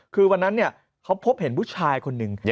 คือวันนั้นเขาพบเห็นผู้ชายคนหนึ่ง